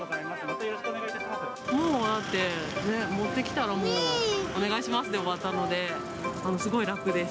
もうだって、持ってきたらもう、お願いしますで終わったので、すごい楽です。